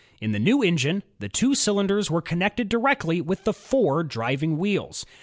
In the new engine, ' the two cylinders were connected directly with the four driving wheels.